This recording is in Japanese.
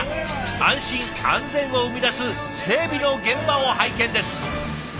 安心・安全を生み出す整備の現場を拝見です。